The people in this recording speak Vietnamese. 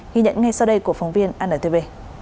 ghi nhận ngay sau đây của phóng viên anntv